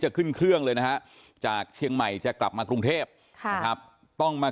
จะขึ้นเครื่องเลยนะคะจากเชียงใหม่จะกลับมากรุงเทพฯต้องมา